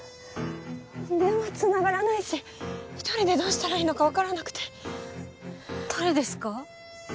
電話繋がらないし１人でどうしたらいいのかわからなくて誰ですか？